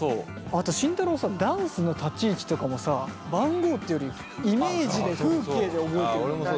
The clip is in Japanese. あと慎太郎ダンスの立ち位置とかもさ番号っていうよりイメージで風景で覚えてるもん。